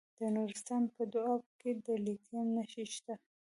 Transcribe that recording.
د نورستان په دو اب کې د لیتیم نښې شته.